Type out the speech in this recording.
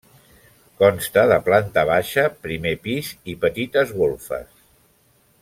Consta de planta baixa, primer pis i petites golfes.